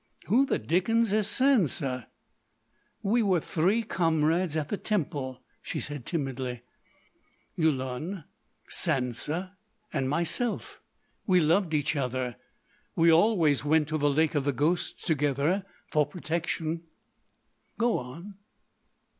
"Who the dickens is Sansa?" "We were three comrades at the Temple," she said timidly, "—Yulun, Sansa, and myself. We loved each other. We always went to the Lake of the Ghosts together—for protection——" "Go on!"